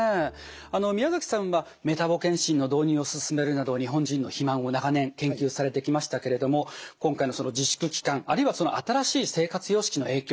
あの宮崎さんはメタボ健診の導入を進めるなど日本人の肥満を長年研究されてきましたけれども今回の自粛期間あるいは新しい生活様式の影響